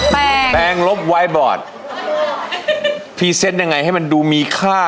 แปลงลบไวบอร์ดพรีเซนต์ยังไงให้มันดูมีค่า